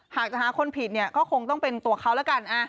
หากจะหาคนผิดเนี่ยก็คงต้องเป็นตัวเขาแล้วกัน